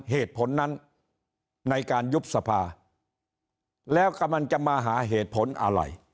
เหตุผลนั้นในการยุบสภาแล้วกำลังจะมาหาเหตุผลอะไร